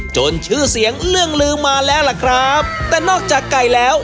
ชื่อเสียงเรื่องลืมมาแล้วล่ะครับแต่นอกจากไก่แล้ว